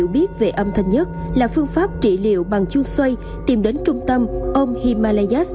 biết về âm thanh nhất là phương pháp trị liệu bằng chuông xoay tìm đến trung tâm ông himalayas